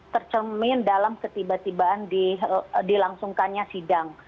tercermin dalam ketiba tibaan dilangsungkannya sidang